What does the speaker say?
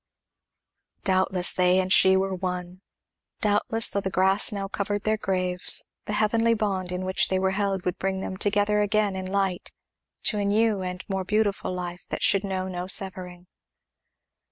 Doubtless they and she were one; doubtless though the grass now covered their graves, the heavenly bond in which they were held would bring them together again in light, to a new and more beautiful life that should know no severing.